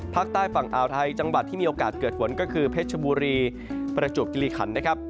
ภาคใต้ฝั่งอ่าวไทยจังหวัดที่มีโอกาสเกิดฝนก็คือเพชรบุรีประจวบกิริขันนะครับ